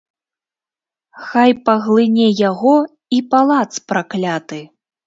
Хай паглыне яго і палац пракляты!